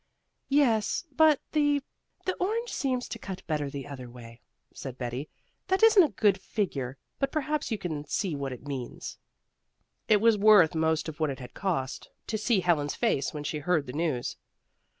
"Yes, but the the orange seems to cut better the other way," said Betty. "That isn't a good figure, but perhaps you can see what it means." It was worth most of what it had cost to see Helen's face when she heard the news.